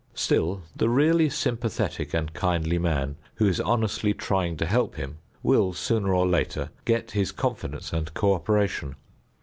Still the really sympathetic and kindly man who is honestly trying to help him will sooner or later get his confidence and coöperation.